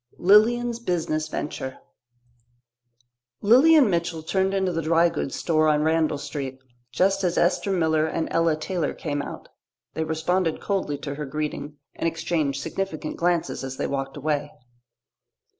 Lilian's Business Venture Lilian Mitchell turned into the dry goods store on Randall Street, just as Esther Miller and Ella Taylor came out. They responded coldly to her greeting and exchanged significant glances as they walked away.